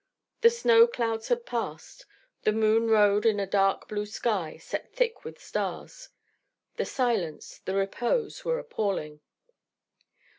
The snow clouds had passed. The moon rode in a dark blue sky set thick with stars. The silence, the repose, were appalling.